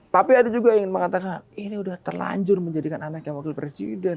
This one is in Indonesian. tapi ada juga yang mengatakan ini sudah terlanjur menjadikan anaknya wakil presiden